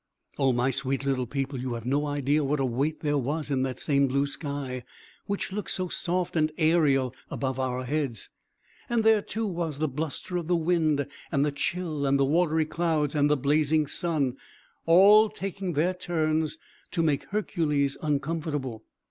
O my sweet little people, you have no idea what a weight there was in that same blue sky, which looks so soft and aërial above our heads! And there, too, was the bluster of the wind, and the chill and watery clouds, and the blazing sun, all taking their turns to make Hercules uncomfortable!